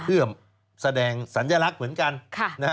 เพื่อแสดงสัญลักษณ์เหมือนกัน